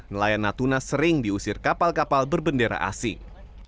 nelayan natuna sering diusir kapal kapal berbendera asing